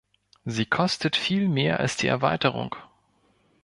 Sie kostet viel mehr als die Erweiterung.